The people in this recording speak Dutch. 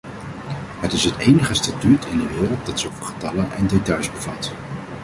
Het is het enige statuut in de wereld dat zoveel getallen en details bevat.